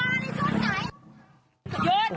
มึงมาในช่วงไหน